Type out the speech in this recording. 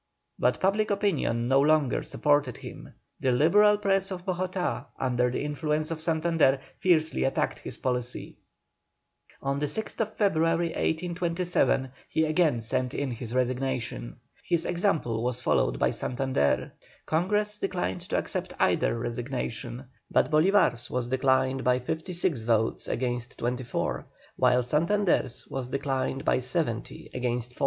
But public opinion no longer supported him; the Liberal press of Bogotá, under the influence of Santander, fiercely attacked his policy. On the 6th February, 1827, he again sent in his resignation. His example was followed by Santander. Congress declined to accept either resignation, but Bolívar's was declined by 56 votes against 24, while Santander's was declined by 70 against 4.